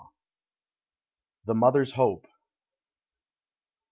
THE MOTHER'S HOPE.